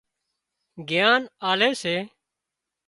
گيان آلي سي